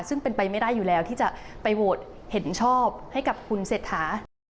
ซึ่งเป็นไปไม่ได้อยู่แล้วที่จะไปโหวตเห็นชอบให้กับคุณเศรษฐา